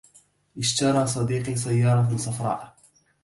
اشترى صديقي سيّارة صفراء.